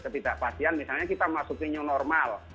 ketidakpastian misalnya kita masukinnya normal